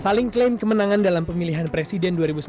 saling klaim kemenangan dalam pemilihan presiden dua ribu sembilan belas